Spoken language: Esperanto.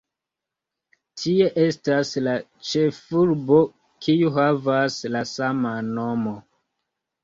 Tie estas la ĉefurbo, kiu havas la saman nomon.